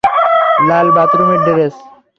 লাল বাথরুমের ড্রেস।